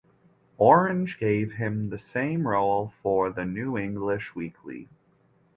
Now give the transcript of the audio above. Orage gave him the same role for "The New English Weekly".